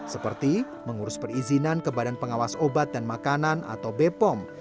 seperti mengurus perizinan ke badan pengawas obat dan makanan atau bepom